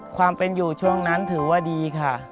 ความเป็นอยู่ช่วงนั้นถือว่าดีค่ะ